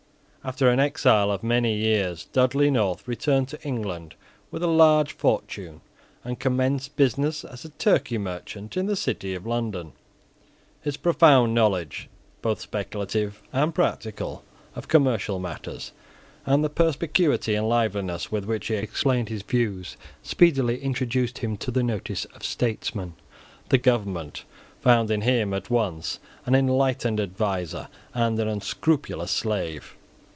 After an exile of many years, Dudley North returned to England with a large fortune, and commenced business as a Turkey merchant in the City of London. His profound knowledge, both speculative and practical, of commercial matters, and the perspicuity and liveliness with which he explained his views, speedily introduced him to the notice of statesmen. The government found in him at once an enlightened adviser and an unscrupulous slave.